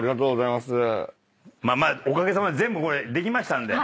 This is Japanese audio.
まあおかげさまで全部これできましたんで。